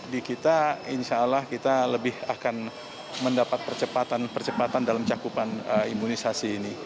di kita insya allah kita lebih akan mendapat percepatan percepatan dalam cakupan imunisasi ini